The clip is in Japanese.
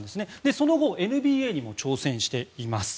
その後ＮＢＡにも挑戦しています。